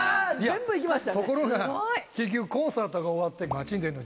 ところが結局コンサートが終わって。